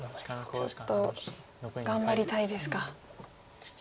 ちょっと頑張りたいですか。